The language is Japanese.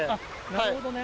なるほどね。